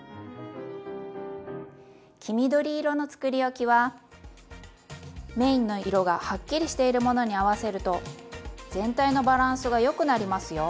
黄緑色のつくりおきはメインの色がはっきりしているものに合わせると全体のバランスがよくなりますよ。